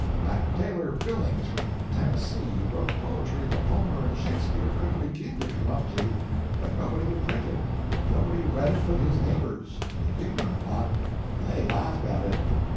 That tailor Billings, from Tennessee, wrote poetry that Homer and Shakespeare couldn't begin to come up to; but nobody would print it, nobody read it but his neighbors, an ignorant lot, and they laughed at it.